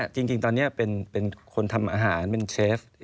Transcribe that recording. จริงตอนนี้เป็นคนทำอาหารเป็นเชฟ